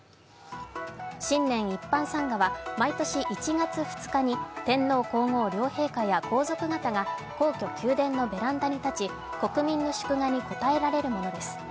新年一般参賀は、毎年１月２日に、天皇皇后両陛下や皇族方が皇居・宮殿のベランダに立ち国民の祝賀に応えられるものです。